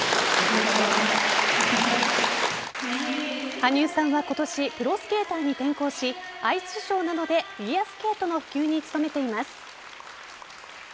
羽生さんは今年プロスケーターに転向しアイスショーなどでフィギュアスケートの普及に努めています。